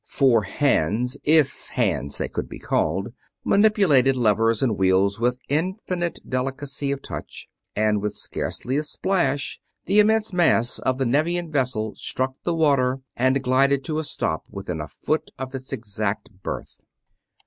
Four hands if hands they could be called manipulated levers and wheels with infinite delicacy of touch, and with scarcely a splash the immense mass of the Nevian vessel struck the water and glided to a stop within a foot of its exact berth.